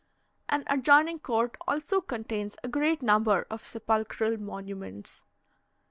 An adjoining court also contains a great number of sepulchral monuments.